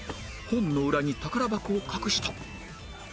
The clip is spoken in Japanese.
本の裏に宝箱を隠した